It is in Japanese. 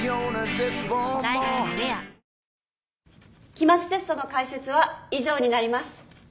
期末テストの解説は以上になります。